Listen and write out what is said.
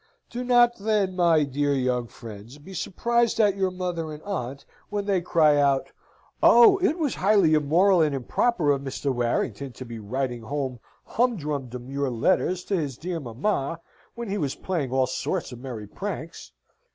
Do not then, my dear young friends, be surprised at your mother and aunt when they cry out, "Oh, it was highly immoral and improper of Mr. Warrington to be writing home humdrum demure letters to his dear mamma, when he was playing all sorts of merry pranks!"